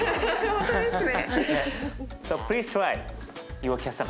本当ですね。